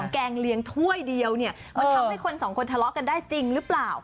แกงเลี้ยงถ้วยเดียวเนี่ยมันทำให้คนสองคนทะเลาะกันได้จริงหรือเปล่า